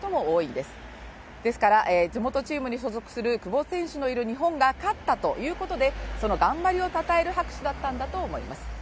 ですから地元チームに所属する久保選手のいる日本が勝ったということでその頑張りをたたえる拍手だったということです。